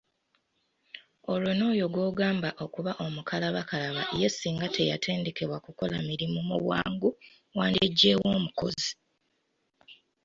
Olwo n'oyo gw'ogamba okuba omukalabakalaba ye singa teyatendekebwa kukola mirimu mu bwangu wandigye wa omukozi ?